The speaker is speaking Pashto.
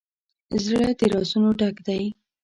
زړه د رازونو ډک دی.